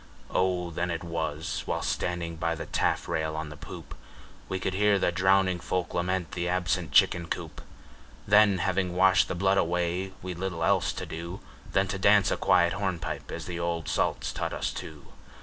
O! then it was (while standing by the taffrail on the poop) We could hear the drowning folk lament the absent chicken coop; Then, having washed the blood away, we'd little else to do Than to dance a quiet hornpipe as the old salts taught us to.